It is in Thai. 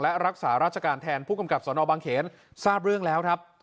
และรักษาราชการแทนผู้กำกับสนบางเขนทราบเรื่องแล้วครับ